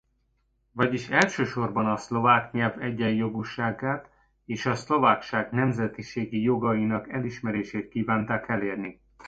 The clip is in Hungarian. Vagyis elsősorban a szlovák nyelv egyenjogúságát és a szlovákság nemzetiségi jogainak elismerését kívánták elérni.